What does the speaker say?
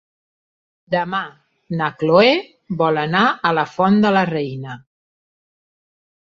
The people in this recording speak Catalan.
Demà na Cloè vol anar a la Font de la Reina.